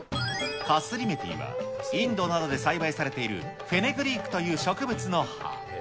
カスリメティは、インドなどで栽培されている、フェネグリークという植物の葉。